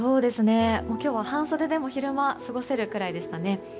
今日は半袖でも昼間過ごせるくらいでしたね。